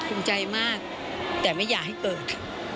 ภูมิใจมากแต่ไม่อยากให้เกิด